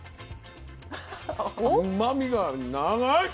うまみが長い！